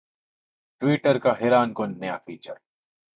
Twitter کا حیران کن نیا فیچر